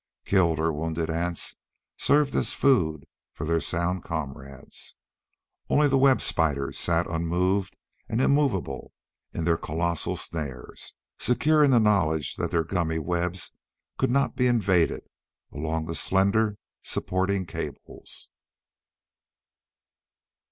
Killed or wounded ants served as food for their sound comrades. Only the web spiders sat unmoved and immovable in their collossal snares, secure in the knowledge that their gummy webs could not be invaded along the slender supporting cables.